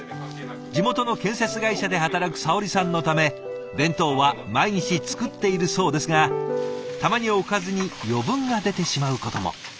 地元の建設会社で働くさおりさんのため弁当は毎日作っているそうですがたまにおかずに余分が出てしまうことも。